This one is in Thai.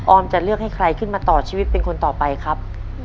จะเลือกให้ใครขึ้นมาต่อชีวิตเป็นคนต่อไปครับ